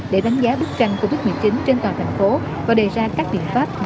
để đánh giá bức tranh covid một mươi chín trên toàn thành phố và đề ra các biện pháp dập dịch tiếp theo